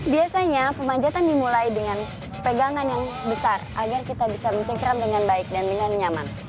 biasanya pemanjatan dimulai dengan pegangan yang besar agar kita bisa mencengkram dengan baik dan dengan nyaman